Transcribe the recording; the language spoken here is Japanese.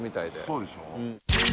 そうでしょう。